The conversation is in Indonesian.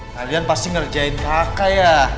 kalian pasti ngerjain kakak ya